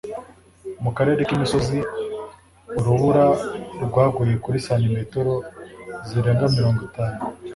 mu karere k'imisozi, urubura rwaguye kuri santimetero zirenga mirongo itanu